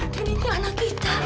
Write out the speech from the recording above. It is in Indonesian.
dan ini anak kita